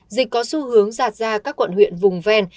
dịch có xu hướng rạt ra các quận huyện vùng ven